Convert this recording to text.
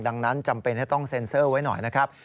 ดังนั้นจำเป็นให้ต้องเซ็นเซอร์ไว้หน่อยนะครับ